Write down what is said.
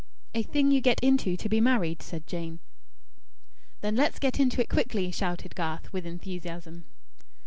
"A thing you get into to be married," said Jane. "Then let's get into it quickly," shouted Garth, with enthusiasm.